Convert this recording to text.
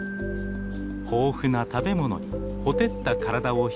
豊富な食べ物にほてった体を冷やす雪。